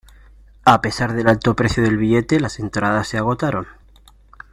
A pesar del alto precio del billete, las entradas se agotaron.